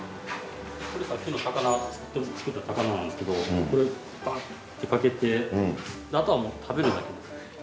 これさっきの高菜作った高菜なんですけどこれをバッてかけてあとはもう食べるだけですね。